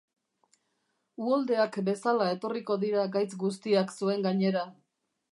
Uholdeak bezala etorriko dira gaitz guztiak zuen gainera